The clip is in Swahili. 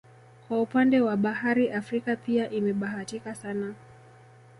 Kwa upande wa bahari Afrika pia imebahatika sana